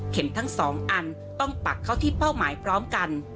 ทั้งสองอันต้องปักเข้าที่เป้าหมายพร้อมกัน